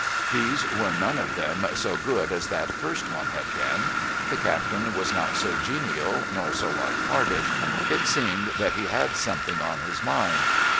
These were, none of them, so good as that first one had been. The Captain was not so genial, nor so light hearted; it seemed that he had something on his mind.